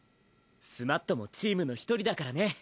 スマットもチームの一人だからね。